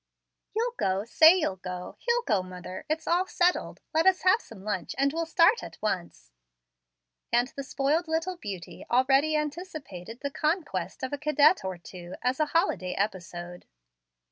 "You'll go; say you'll go. He'll go, mother. It's all settled. Let us have some lunch, and we'll start at once;" and the spoiled little beauty already anticipated the conquest of a cadet or two as a holiday episode.